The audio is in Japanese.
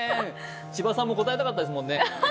千葉さんも答えたかったですもんね。